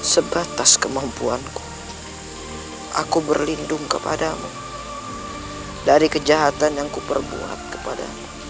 sebatas kemampuanku aku berlindung kepadamu dari kejahatan yang kuperbuat kepadamu